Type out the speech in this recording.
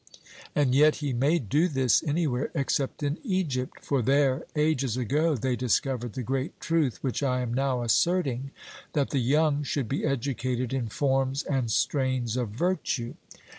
And yet he may do this anywhere except in Egypt; for there ages ago they discovered the great truth which I am now asserting, that the young should be educated in forms and strains of virtue.